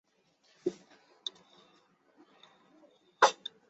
像在黑暗中看见一线光芒